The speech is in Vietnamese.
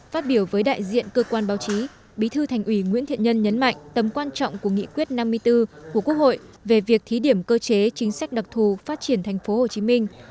phát biểu với đại diện cơ quan báo chí bí thư thành ủy nguyễn thiện nhân nhấn mạnh tầm quan trọng của nghị quyết năm mươi bốn của quốc hội về việc thí điểm cơ chế chính sách đặc thù phát triển thành phố hồ chí minh